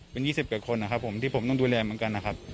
เป็น๒๐กว่าคนนะครับผมที่ผมต้องดูแลเหมือนกันนะครับ